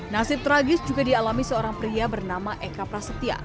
nasib tragis juga dialami seorang pria bernama eka prasetya